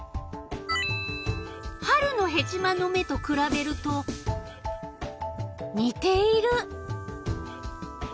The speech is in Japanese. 春のヘチマの芽とくらべると似ている。